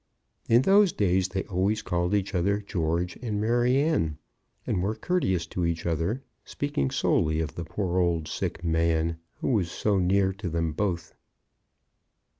In those days they always called each other George and Maryanne, and were courteous to each other, speaking solely of the poor old sick man, who was so near to them both.